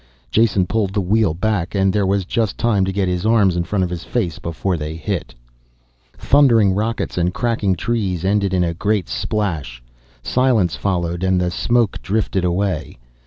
Jason pulled the wheel back and there was just time to get his arms in front of his face before they hit. Thundering rockets and cracking trees ended in a great splash. Silence followed and the smoke drifted away.